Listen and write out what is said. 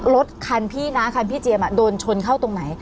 รถคันพี่นะคันพี่เจียมโดนชนเข้าตรงไหน